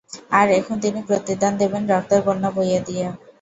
আর, এখন তিনি প্রতিদান দেবেন রক্তের বন্যা বইয়ে দিয়ে!